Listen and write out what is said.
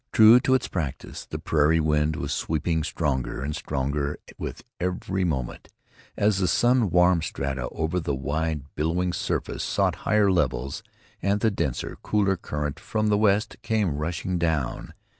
True to its practice, the prairie wind was sweeping stronger and stronger with every moment, as the sun warmed strata over the wide, billowing surface sought higher levels, and the denser, cooler current from the west came rushing down.